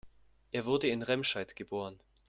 Er wurde in Remscheid geboren